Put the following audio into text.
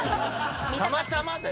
たまたまだよ。